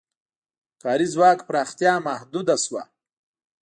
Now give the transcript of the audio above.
کاري ځواک پراختیا محدوده شوه.